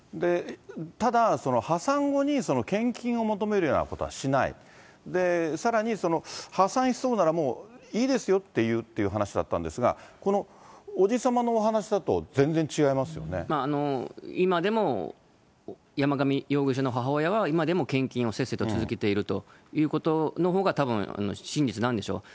ただ、破産後に献金を求めるようなことはしない、さらに破産しそうなら、もういいですよっていう話だったんですが、この伯父さまのお話だ今でも山上容疑者の母親は、今でも献金をせっせと続けているということのほうがたぶん、真実なんでしょう。